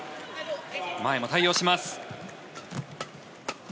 前も対応します。